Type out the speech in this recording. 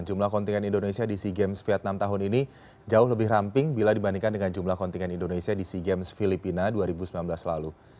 jumlah kontingen indonesia di sea games vietnam tahun ini jauh lebih ramping bila dibandingkan dengan jumlah kontingen indonesia di sea games filipina dua ribu sembilan belas lalu